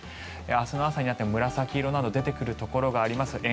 明日の朝になっても紫色など出てくるところもあります。